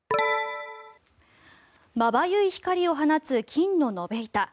まばゆい光を放つ金の延べ板。